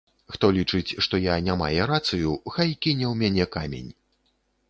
Хто лічыць, што я не мае рацыю, хай кіне ў мяне камень.